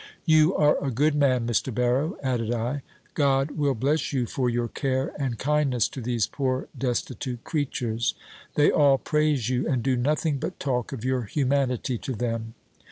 "You are a good man, Mr. Barrow," added I: "God will bless you for your care and kindness to these poor destitute creatures. They all praise you, and do nothing but talk of your humanity to them."